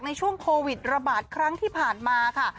ในช่วงโควิดระบาดครั้งที่ผ่านมาค่ะ